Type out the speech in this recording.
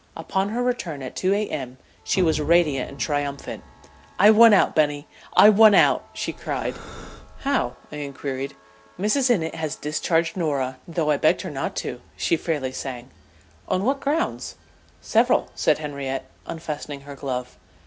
Upon her return at 2 A.M. she was radiant and triumphant. "I won out, Bunny I won out!" she cried. "How?" I inquired. "Mrs. Innitt has discharged Norah, though I begged her not to," she fairly sang. "On what grounds?" "Several," said Henriette, unfastening her glove.